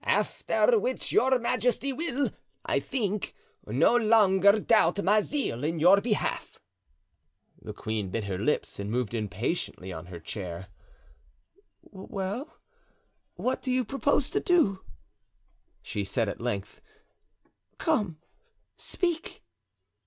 After which your majesty will, I think, no longer doubt my zeal in your behalf." The queen bit her lips and moved impatiently on her chair. "Well, what do you propose to do?" she, said at length; "come, speak."